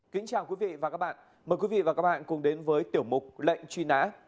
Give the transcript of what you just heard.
kính chào quý vị và các bạn mời quý vị và các bạn cùng đến với tiểu mục lệnh truy nã